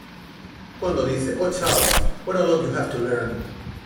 Cuando dice, ""Oh, Charles, what a lot you have to learn!